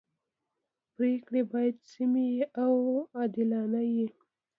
پریکړي باید سمي او عادلانه يي.